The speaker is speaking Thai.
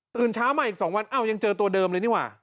เช้ามาอีก๒วันอ้าวยังเจอตัวเดิมเลยนี่ว่ะ